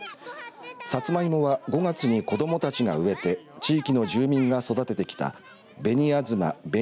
さつまいもは５月に子どもたちが植えて地域の住民が育ててきた紅あずま紅